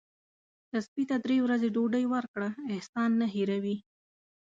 که سپي ته درې ورځې ډوډۍ ورکړه احسان نه هیروي.